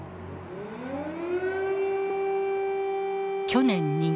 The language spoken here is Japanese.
去年２月。